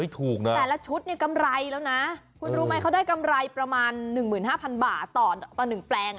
ถูกนะแต่ละชุดเนี่ยกำไรแล้วนะคุณรู้ไหมเขาได้กำไรประมาณ๑๕๐๐๐บาทต่อ๑แปลง